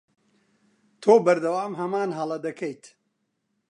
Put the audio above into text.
تۆ بەردەوام هەمان هەڵە دەکەیت.